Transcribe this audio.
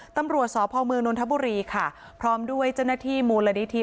ตำรวจสพเมืองนนทบุรีค่ะพร้อมด้วยเจ้าหน้าที่มูลนิธิ